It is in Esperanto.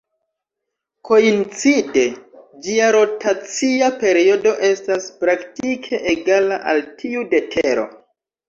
Koincide, ĝia rotacia periodo estas praktike egala al tiu de Tero.